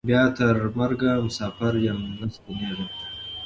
بیا تر مرګه مساپر یم نه ستنېږم